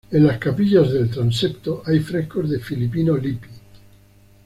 En las capillas del transepto hay frescos de Filippino Lippi.